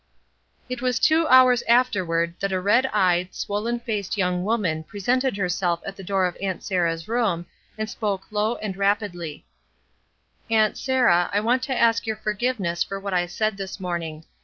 54 ESTER RIED'S NAMESAKE It was two hours afterward that a red eyed, swollen faced young woman presented herself at the door of Aunt Sarah's room and spoke low and rapidly: — "Aunt Sarah, I want to ask your forgiveness for what I said this morning.